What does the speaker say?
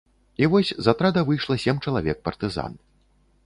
І вось з атрада выйшла сем чалавек партызан.